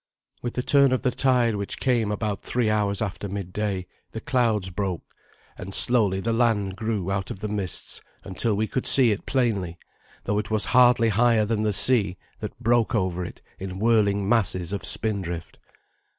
With the turn of the tide, which came about three hours after midday, the clouds broke, and slowly the land grew out of the mists until we could see it plainly, though it was hardly higher than the sea that broke over it in whirling masses of spindrift.